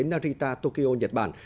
narita tokyo nhật bản